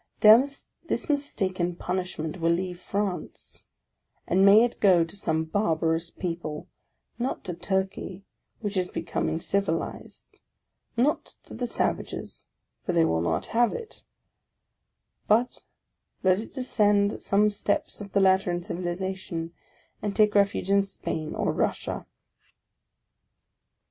Thir mistaken punishment will leave France; and may it go to some barbarous people, — not to Turkey, which is becoming civilized, not to the savages, for they will not have it ; l but let it descend some steps of the ladder of civilization, and take refuge in Spain, or Russia